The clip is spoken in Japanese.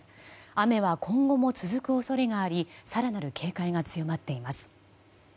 雨は今後も続く恐れがあり更なる警戒が強まっています。